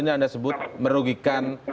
ini anda sebut merugikan